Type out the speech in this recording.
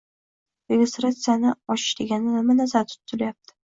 Registratsiyani ochish deganda nima nazarda tutilayapti